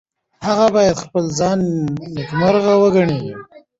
هغه باید خپل ځان نیکمرغه وګڼي.